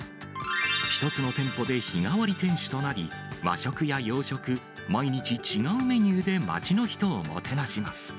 １つの店舗で日替わり店主となり、和食や洋食、毎日違うメニューで街の人をもてなします。